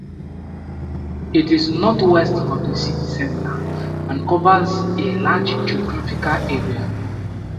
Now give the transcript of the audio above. It is north-west of the city centre, and covers a large geographical area.